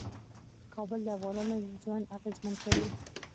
کابل د افغانانو ژوند اغېزمن کوي.